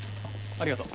ありがとう。